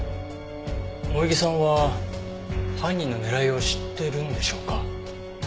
萌衣さんは犯人の狙いを知っているんでしょうか？